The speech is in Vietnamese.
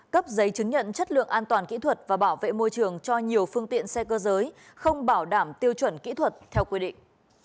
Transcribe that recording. cấp giấy chứng nhận chất lượng an toàn kỹ thuật và bảo vệ môi trường cho nhiều phương tiện xe cơ giới không bảo đảm tiêu chuẩn kỹ thuật theo quy định